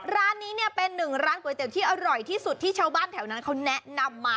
ร้านนี้เนี่ยเป็นหนึ่งร้านก๋วยเตี๋ยวที่อร่อยที่สุดที่ชาวบ้านแถวนั้นเขาแนะนำมา